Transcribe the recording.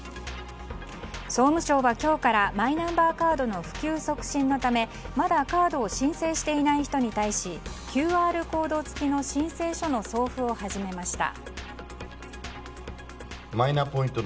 総務省は今日からマイナンバーカードの普及促進のため、まだカードを申請していない人に対しＱＲコード付きの申請書の送付を始めました。